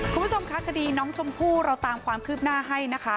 คุณผู้ชมคะคดีน้องชมพู่เราตามความคืบหน้าให้นะคะ